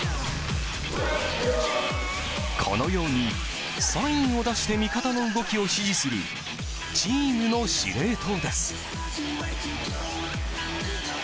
このようにサインを出して味方の動きを指示するチームの司令塔です。